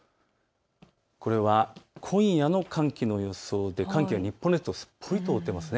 これは今夜の寒気の予想で寒気が日本列島をすっぽりと覆っています。